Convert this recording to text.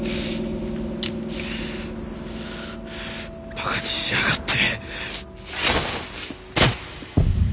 バカにしやがって。